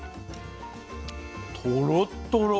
とろっとろ。